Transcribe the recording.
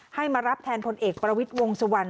ให้มารับแทนผลเอกปรวิทวงศ์สวรรค์